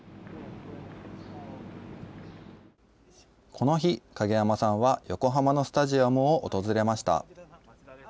この日、影山さんは横浜のスタジアムを訪れました。